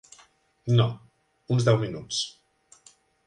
No, uns deu minuts.